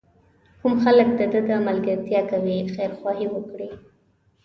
کوم خلک د ده ملګرتیا کوي خیرخواهي وکړي.